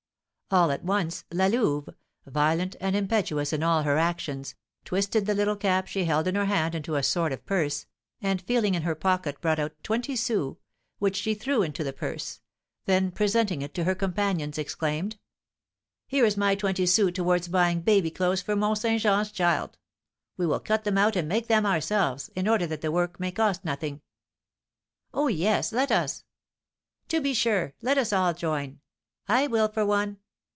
All at once, La Louve, violent and impetuous in all her actions, twisted the little cap she held in her hand into a sort of purse, and feeling in her pocket brought out twenty sous, which she threw into the purse; then presenting it to her companions, exclaimed: "Here is my twenty sous towards buying baby clothes for Mont Saint Jean's child. We will cut them out and make them ourselves, in order that the work may cost nothing." "Oh, yes, let us." "To be sure, let us all join!" "I will for one."